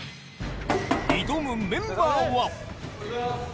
挑むメンバーは。え？